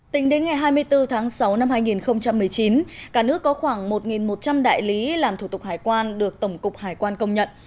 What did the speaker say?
tính đến ngày hai mươi bốn tháng sáu năm hai nghìn một mươi chín cả nước có khoảng một một trăm linh đại lý làm thủ tục hải quan được tổng cục hải quan công nhận